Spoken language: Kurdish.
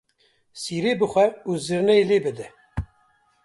Sîrê bixwe û zirneyê lê bide